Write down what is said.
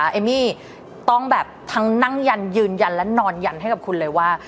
เอมมี่ต้องแบบทั้งนั่งยันยืนยันและนอนยันให้กับคุณเลยว่า